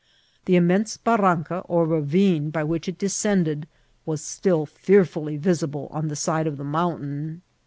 The immense barranca or ravine by which it descended was still fearfully visible on the side of the mountain.